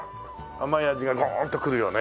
甘い味がゴーンとくるよね。